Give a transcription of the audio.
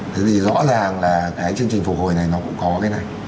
thế thì rõ ràng là cái chương trình phục hồi này nó cũng có cái này